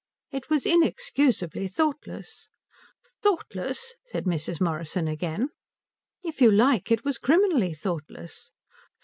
"It was inexcusably thoughtless." "Thoughtless!" cried Mrs. Morrison again. "If you like, it was criminally thoughtless."